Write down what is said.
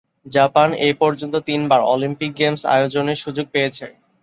Japan এ পর্যন্ত তিনবার অলিম্পিক গেমস আয়োজনে সুযোগ পেয়েছে।